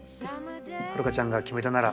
ハルカちゃんが決めたなら